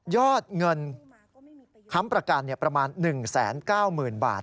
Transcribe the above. ยอดเงินค้ำประกันประมาณ๑แสน๙หมื่นบาท